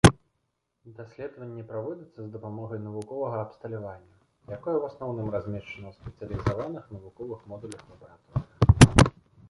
Даследаванні праводзяцца з дапамогай навуковага абсталявання, якое ў асноўным размешчана ў спецыялізаваных навуковых модулях-лабараторыях.